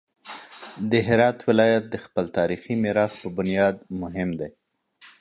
د هرات ولایت د خپل تاریخي میراث په بنیاد مهم دی.